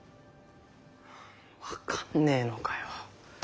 分かんねえのかよ。